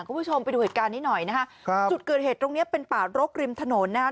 คุณผู้ชมไปดูเหตุการณ์นี้หน่อยนะฮะครับจุดเกิดเหตุตรงเนี้ยเป็นป่ารกริมถนนนะฮะ